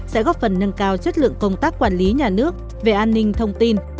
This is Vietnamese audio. sẽ góp phần nâng cao chất lượng công tác quản lý nhà nước về an ninh thông tin